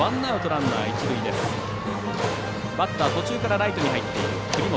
バッター、途中からライトに入っている栗本。